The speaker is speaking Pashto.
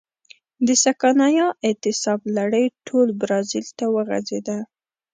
د سکانیا اعتصاب لړۍ ټول برازیل ته وغځېده.